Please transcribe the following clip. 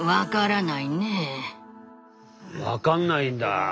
分かんないんだ。